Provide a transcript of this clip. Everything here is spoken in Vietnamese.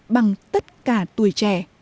bằng tất cả tuổi trẻ